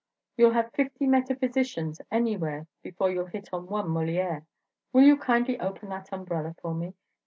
You 'll have fifty metaphysicians anywhere before you 'll hit on one Molière. Will you kindly open that umbrella for me?